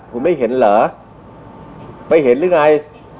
คุณไม่เห็นเหรอไม่เห็นหรือไง